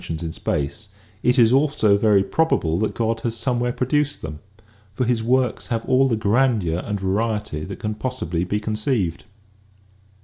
sions in space, it is also very probable that God has somewhere produced them. For His works have all the grandeur and variety that can possibly be conceived."